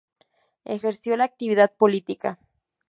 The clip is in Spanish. Ejerció la actividad política.